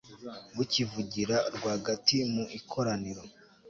bukivugira rwagati mu ikoraniro